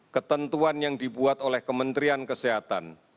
ketentuan yang dibuat oleh kementerian kesehatan